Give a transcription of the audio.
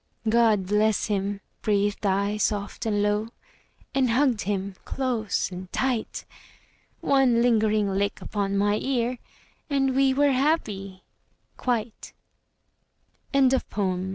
"God bless him," breathed I soft and low, And hugged him close and tight. One lingering lick upon my ear And we were happy quite. ANONYMOUS.